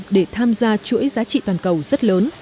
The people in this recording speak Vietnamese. để tham gia chuỗi giá trị toàn cầu rất lớn